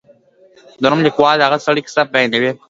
د روم لیکوال د هغه سړي کیسه بیانوي.